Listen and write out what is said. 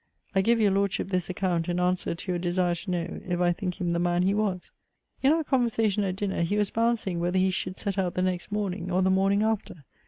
I give your Lordship this account, in answer to your desire to know, if I think him the man he was. In our conversation at dinner, he was balancing whether he should set out the next morning, or the morning after.